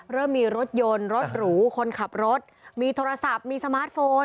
เริ่มมีรถยนต์รถหรูคนขับรถมีโทรศัพท์มีสมาร์ทโฟน